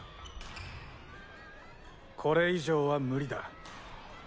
これ以上は無理だ。